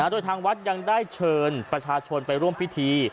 โดยทางวัดยังได้เชิญประชาชนไปร่วมพิธี